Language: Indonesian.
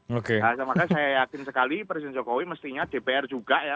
makanya saya yakin sekali presiden jokowi mestinya dpr juga ya